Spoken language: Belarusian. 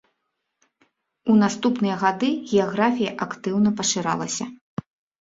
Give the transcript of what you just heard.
У наступныя гады геаграфія актыўна пашыралася.